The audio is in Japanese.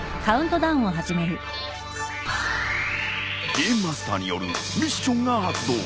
ゲームマスターによるミッションが発動。